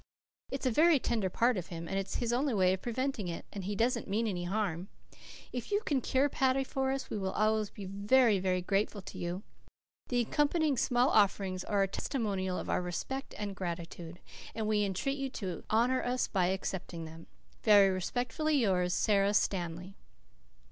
It's a very tender part of him, and it's his only way of preventing it, and he doesn't mean any harm. If you can cure Paddy for us we will always be very, very grateful to you. The accompanying small offerings are a testimonial of our respect and gratitude, and we entreat you to honour us by accepting them. "Very respectfully yours, "SARA STANLEY."